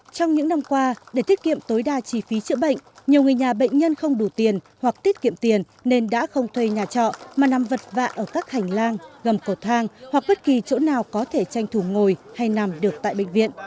trong những năm qua để tiết kiệm tối đa chi phí chữa bệnh nhiều người nhà bệnh nhân không đủ tiền hoặc tiết kiệm tiền nên đã không thuê nhà trọ mà nằm vật ở các hành lang gầm cầu thang hoặc bất kỳ chỗ nào có thể tranh thủ ngồi hay nằm được tại bệnh viện